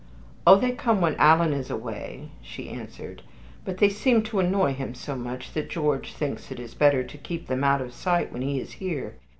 "Oh, they come when Alan is away," she answered; "but they seem to annoy him so much that George thinks it is better to keep them out of sight when he is here.